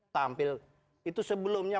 tampil itu sebelumnya